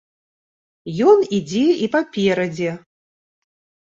Ён ідзе і паперадзе.